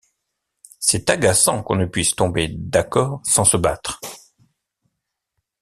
C’est agaçant, qu’on ne puisse tomber d’accord sans se battre!